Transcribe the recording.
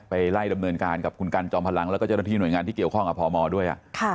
ไปไล่ดำเนินการกับคุณกันจอมพลังแล้วก็เจ้าหน้าที่หน่วยงานที่เกี่ยวข้องกับพมด้วย